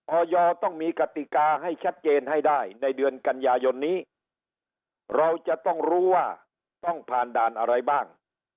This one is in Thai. อยต้องมีกติกาให้ชัดเจนให้ได้ในเดือนกันยายนนี้เราจะต้องรู้ว่าต้องผ่านด่านอะไรบ้าง